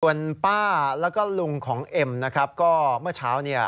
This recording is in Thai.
ส่วนป้าแล้วก็ลุงของเอ็มนะครับก็เมื่อเช้าเนี่ย